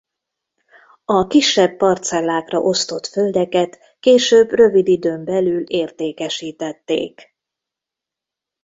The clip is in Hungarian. A kisebb parcellákra osztott földeket később rövid időn belül értékesítették.